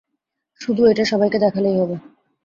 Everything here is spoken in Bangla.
শুধু এটা সবাইকে দেখালেই হবে।